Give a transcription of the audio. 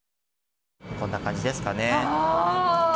こんな感じですかね。